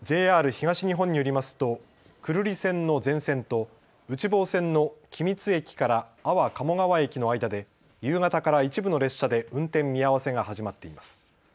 ＪＲ東日本によりますと久留里線の全線と内房線の君津駅から安房鴨川駅の間で夕方から一部の列車で運転見合わせが始まっています。